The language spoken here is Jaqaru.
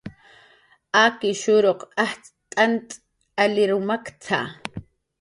Akishuruq ajtz' t'ant alir maktna